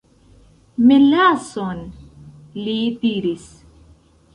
"Melason," li diris.